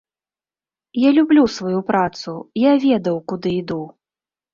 Я люблю сваю працу, я ведаў, куды іду.